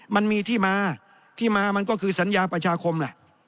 มันมีที่มาที่มามันก็คือสัญญาประชาคมล่ะ